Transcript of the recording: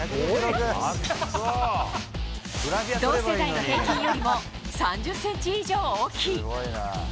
同世代の平均よりも３０ｃｍ以上大きい。